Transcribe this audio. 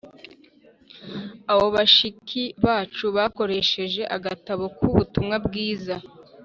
Abo bashiki bacu bakoresheje agatabo k Ubutumwa bwiza